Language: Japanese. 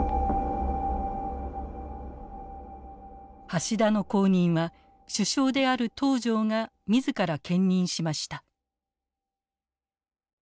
橋田の後任は首相である東條が自ら兼任しました。